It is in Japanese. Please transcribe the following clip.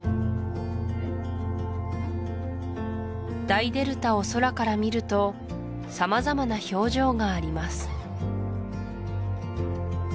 大デルタを空から見ると様々な表情があります